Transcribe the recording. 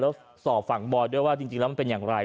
แล้วสอบฝั่งบอยด้วยว่าจริงแล้วมันเป็นอย่างไร